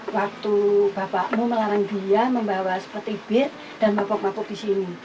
waktu bapakmu melarang dia membawa sepeti bir dan bapuk bapuk disini